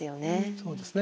そうですね。